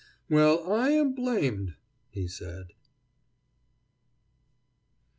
"Well, I am blamed," he said.